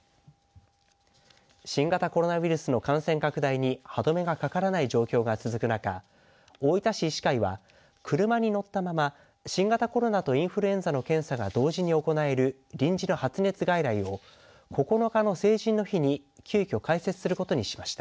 新型コロナウイルスの感染拡大に歯止めがかからない状況が続く中大分市医師会は車に乗ったまま新型コロナとインフルエンザの検査が同時に行える臨時の発熱外来を９日の成人の日に、急きょ開設することにしました。